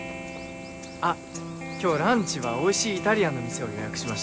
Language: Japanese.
あっ今日ランチはおいしいイタリアンの店を予約しました。